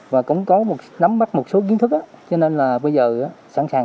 và cũng có nắm mắt một số kiến thức cho nên là bây giờ sẵn sàng